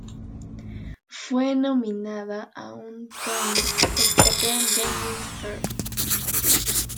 Fue nominada a un Tony por su papel de Mrs.